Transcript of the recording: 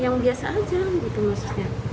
yang biasa aja gitu maksudnya